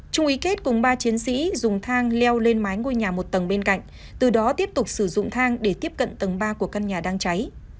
trung ý kết cùng ba chiến sĩ dùng thang leo lên mái ngôi nhà một tầng bên cạnh từ đó tiếp tục sử dụng thang để tiếp cận tầng ba của căn nhà đang cháy